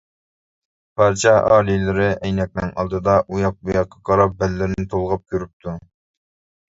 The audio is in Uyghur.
پادىشاھ ئالىيلىرى ئەينەكنىڭ ئالدىدا ئۇياق - بۇياققا قاراپ بەللىرىنى تولغاپ كۆرۈپتۇ.